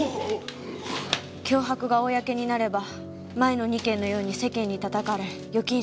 脅迫が公になれば前の２件のように世間に叩かれ預金者も減る。